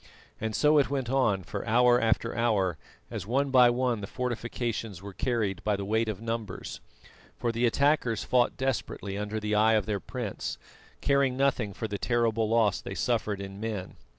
And so it went on for hour after hour, as one by one the fortifications were carried by the weight of numbers, for the attackers fought desperately under the eye of their prince, caring nothing for the terrible loss they suffered in men.